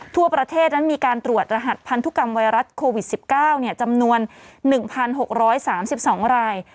ทั่วประเทศนั้นมีการตรวจรหัสพันธุกรรมไวรัสโควิด๑๙จำนวน๑๖๓๒ราย